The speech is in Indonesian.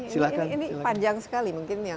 silahkan ini panjang sekali